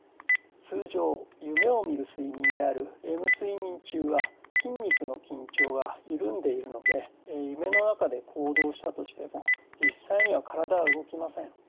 通常夢をみる睡眠であるレム睡眠中は筋肉の緊張がゆるんでいるので夢の中で行動したとしても実際には体は動きません。